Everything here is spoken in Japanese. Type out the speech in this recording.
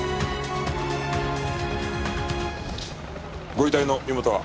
ご遺体の身元は？